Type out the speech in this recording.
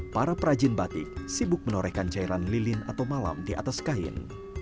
para perajin batik sibuk menorehkan cairan lilin atau malam di atas kain